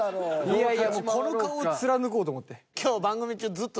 いやいやもうこの顔を貫こうと思って。